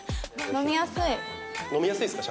飲みやすいですか？